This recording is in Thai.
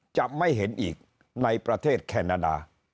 จะไม่เห็นอีกในประเทศแคนาดา